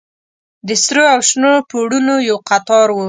د سرو او شنو پوړونو يو قطار و.